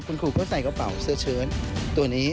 คุณครูก็ใส่กระเป๋าเสื้อเชิดตัวนี้